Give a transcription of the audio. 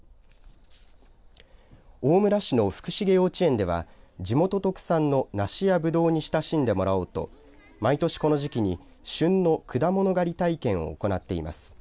大村市の福重幼稚園では地元特産の梨やぶどうに親しんでもらおうと毎年この時期に旬の果物狩り体験を行っています。